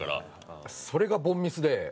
それが凡ミスで。